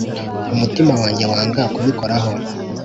umutima wanjye wanga kubikoraho,